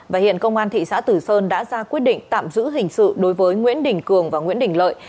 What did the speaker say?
và hiện công an thị xã tử sơn đã ra quyết định tạm giữ hình sự đối với nguyễn đình cường và nguyễn đình lợi